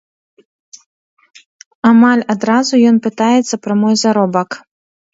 Амаль адразу ён пытаецца пра мой заробак.